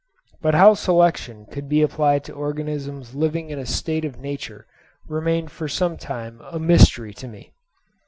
But how selection could be applied to organisms living in a state of nature remained for some time a mystery to me.